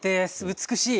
美しい！